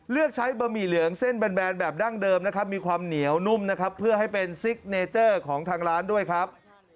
เลือกใช้บะหมี่เหลืองเส้นแบนแบบดั้งเดิมนะครับมีความเหนียวนุ่มนะครับเพื่อให้เป็นซิกเนเจอร์ของทางร้านด้วยครับ